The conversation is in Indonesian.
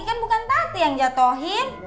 kan bukan tati yang jatohin